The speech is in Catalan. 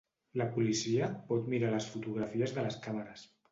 La policia pot mirar les fotografies de les càmeres.